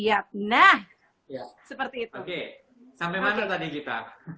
oke sampai mana tadi kita